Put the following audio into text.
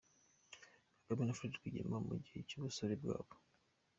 Kagame na Fred Rwigema mu gihe cy'ubusore bwabo.